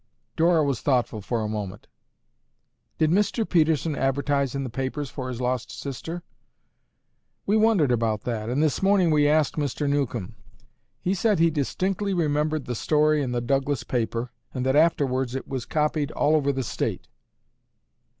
Dora was thoughtful for a moment. "Did Mr. Pedersen advertise in the papers for his lost sister?" "We wondered about that and this morning we asked Mr. Newcomb. He said he distinctly remembered the story in the Douglas paper, and that afterwards it was copied all over the state."